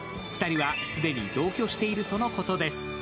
２人は既に同居しているとのことです。